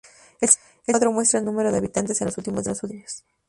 El siguiente cuadro muestra el número de habitantes en los últimos diez años.